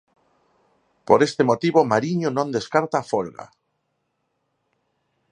Por este motivo Mariño non descarta a folga.